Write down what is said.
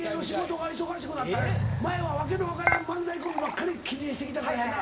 前は訳の分からん漫才コンビばっかり切り絵してきたからやな。